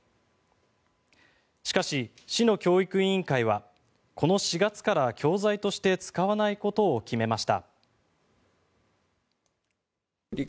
しかし、市の教育委員会はこの４月から教材として使わないことを決めました。